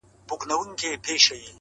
• په ارغوان به ښکلي سي غیږي -